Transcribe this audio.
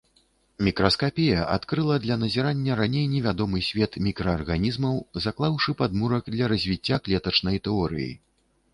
Мікраскапія адкрыла для назірання раней невядомы свет мікраарганізмаў, заклаўшы падмурак для развіцця клетачнай тэорыі.